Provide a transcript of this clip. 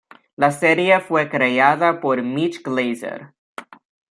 La serie fue creada por Mitch Glazer.